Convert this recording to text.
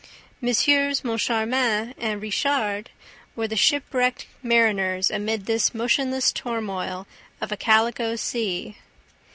MM. Moncharmin and Richard were the shipwrecked mariners amid this motionless turmoil of a calico sea.